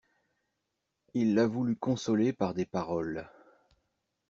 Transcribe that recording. Il la voulut consoler par des paroles.